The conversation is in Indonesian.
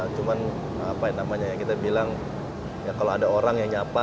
cuman apa ya namanya ya kita bilang ya kalau ada orang yang nyapa